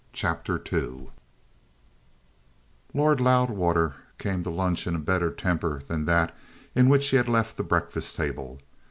CHAPTER II Lord Loudwater came to lunch in a better temper than that in which he had left the breakfast table.